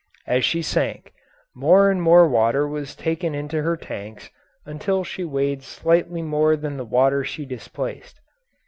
As she sank, more and more water was taken into her tanks until she weighed slightly more than the water she displaced.